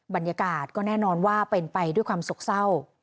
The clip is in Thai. บรรยากาศก็แน่นอนว่าเป็นไปด้วยความโศกเศร้า